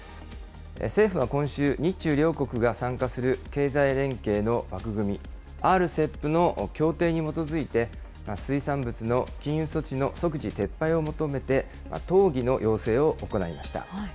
政府は今週、日中両国が参加する経済連携の枠組み、ＲＣＥＰの協定に基づいて、水産物の禁輸措置の即時撤廃を求めて、討議の要請を行いました。